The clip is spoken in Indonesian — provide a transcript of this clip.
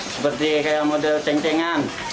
seperti kayak model ceng cengan